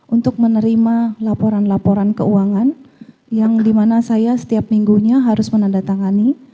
untuk menerima laporan laporan keuangan yang dimana saya setiap minggunya harus menandatangani